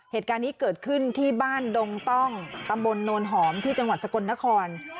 เหตุการณ์นี้เกิดขึ้นที่บ้านดงต้องตำบลโนนหอมที่จังหวัดสกลนคร